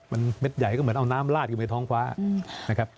มันเม็ดใหญ่ก็เหมือนเอาน้ำลาดอยู่ในท้องฟ้านะครับ